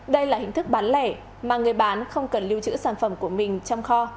đây là hình thức bán lẻ mà người bán không cần lưu trữ sản phẩm của mình trong kho